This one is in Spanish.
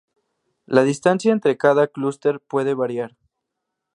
La distancia entre cada clúster puede variar.